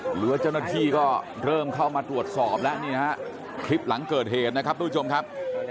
หรือว่าเจ้าหน้าที่ก็เริ่มเข้ามาตรวจสอบแล้วนี่ฮะคลิปหลังเกิดเหตุนะครับทุกผู้ชมครับ